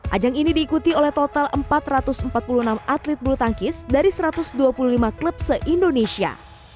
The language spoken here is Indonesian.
ajang ini diikuti oleh total empat ratus empat puluh enam atlet bulu tangkis dari satu ratus dua puluh lima klub se indonesia